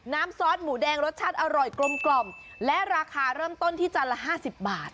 ซอสหมูแดงรสชาติอร่อยกลมและราคาเริ่มต้นที่จานละ๕๐บาท